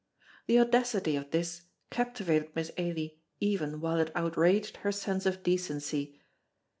The audacity of this captivated Miss Ailie even while it outraged her sense of decency.